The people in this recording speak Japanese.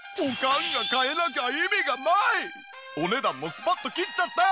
お値段もスパッと切っちゃって！